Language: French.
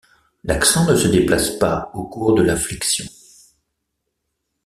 L'accent ne se déplace pas au cours de la flexion.